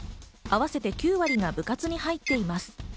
合わせて９割が部活に入っています。